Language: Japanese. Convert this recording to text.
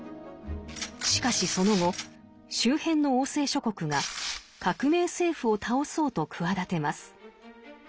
しかしその後周辺の王制諸国が革命政府を倒そうと企てます。